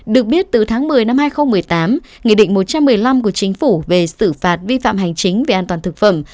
được biết từ tháng một mươi năm hai nghìn một mươi tám nghị định một trăm một mươi năm của chính phủ về xử phạt vi phạm hành chính về an toàn thực phẩm